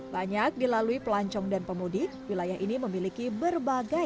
banyak dilalui pelancong dan pemudik wilayah ini memiliki berbagai